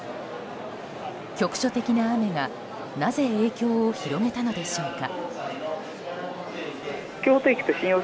局所的な雨がなぜ影響を広げたのでしょうか。